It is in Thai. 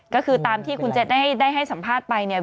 ก็คือตามที่คุณเจ็ดได้ให้สัมภาษณ์ไปเนี่ย